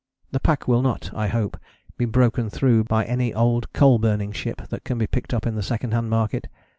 The pack will not, I hope, be broken through by any old coal burning ship that can be picked up in the second hand market.